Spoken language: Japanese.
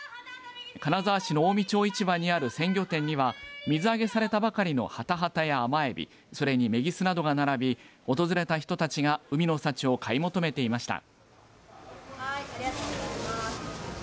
金沢市の近江町市場にある鮮魚店には水揚げされたばかりのはたはたや甘えびそれにめぎすなどが並び訪れた人たちが海の幸を買い求めていました。